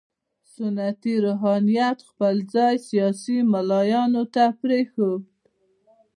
سنتي روحانیت خپل ځای سیاسي ملایانو ته پرېښود.